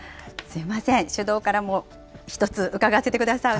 すみません、首藤からも１つ伺わせてください。